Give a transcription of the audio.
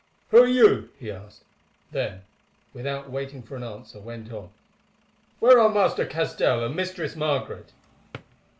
"Who are you?" he asked; then, without waiting for an answer, went on, "Where are Master Castell and Mistress Margaret?"